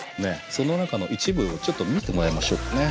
その中の一部をちょっと見てもらいましょうかね。